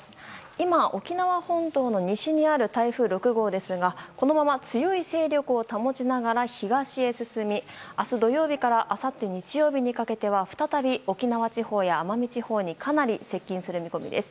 今、沖縄本島の西にある台風６号ですがこのまま強い勢力を保ちながら東へ進み明日土曜日からあさって日曜日にかけては再び沖縄地方や奄美地方にかなり接近する見込みです。